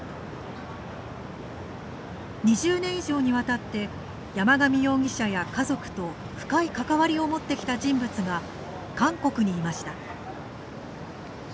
２０年以上にわたって山上容疑者や家族と深い関わりを持ってきた人物が韓国にいました。